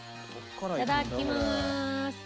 いただきまーす！